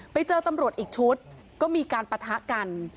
ไปเจอตำรวจอีกชุดก็มีการปะทะกัน